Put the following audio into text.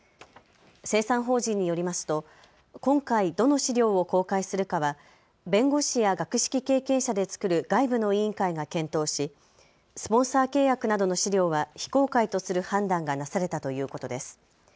清算法人によりますと今回、どの資料を公開するかは弁護士や学識経験者で作る外部の委員会が検討しスポンサー契約などの資料は非公開とする判断がなされたということです。